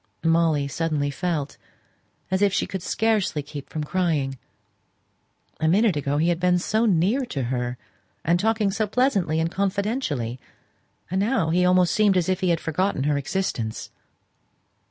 Molly suddenly felt as if she could scarcely keep from crying a minute ago he had been so near to her, and talking so pleasantly and confidentially; and now he almost seemed as if he had forgotten her existence.